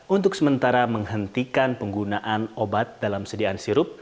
untuk sementara menghentikan penggunaan obat dalam sediaan sirup